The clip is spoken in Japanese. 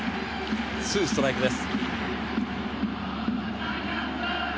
２ストライクです。